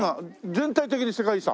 全体的に世界遺産？